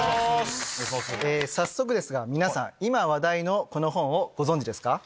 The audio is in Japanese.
早速ですが皆さん今話題のこの本ご存じですか？